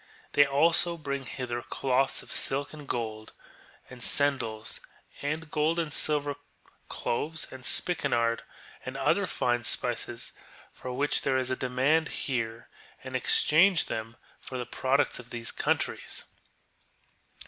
They also bring hither cloths of silk and gold, and sendals ; also gold and silver, cloves and spikenard, and other fine spices for which there is a demand here, and exchange them for the products of these countries.